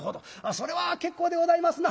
それは結構でございますな」。